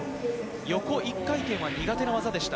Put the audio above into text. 横１回転は苦手な技でした。